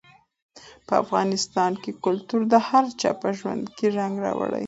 په افغانستان کې کلتور د هر چا په ژوند کې رنګ راوړي.